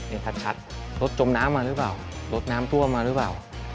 ชัดรถจมน้ำมาหรือเปล่ารถน้ำทั่วมาหรือเปล่า